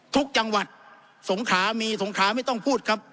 ทุกจังหวัดสงขามีสงขาไม่ต้องพูดครับ